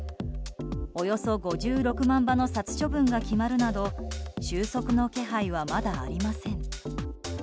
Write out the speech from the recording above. およそ５６万羽の殺処分が決まるなど収束の気配は、まだありません。